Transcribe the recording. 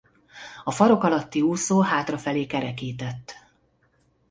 A farok alatti úszó hátrafelé kerekített.